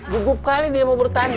gugup kali dia mau bertanding